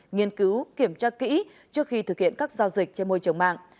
nghiên cứu kiểm tra kỹ trước khi thực hiện các giao dịch trên môi trường mạng